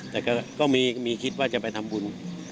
แต่ก็มีคิดว่าจะไปทำบุญ